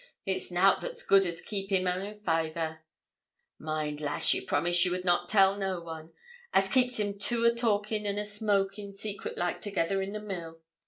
It's nout that's good as keeps him an' fayther (mind, lass, ye promised you would not tell no one) as keeps them two a talkin' and a smokin' secret like together in the mill.